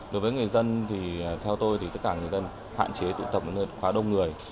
đối với người dân thì theo tôi thì tất cả người dân hạn chế tụ tập nơi khá đông người